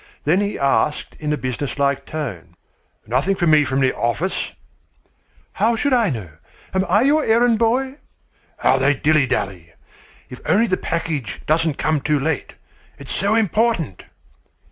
Then he asked in a businesslike tone: "Nothing for me from the office?" "Why should I know? Am I your errand boy?" "How they dilly dally! If only the package doesn't come too late. It's so important!"